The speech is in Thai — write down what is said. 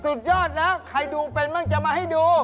สุดยอดนะใครดูเป็นบ้างจะมาให้ดู